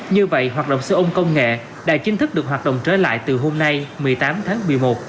như vậy hoạt động xe ôn công nghệ đã chính thức được hoạt động trở lại từ hôm nay một mươi tám tháng một mươi một